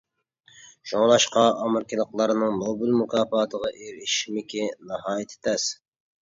شۇڭلاشقا ئامېرىكىلىقلارنىڭ نوبېل مۇكاپاتىغا ئېرىشمىكى ناھايىتى تەس.